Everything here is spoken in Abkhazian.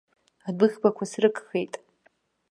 Адәыӷбақәа срыгхеит.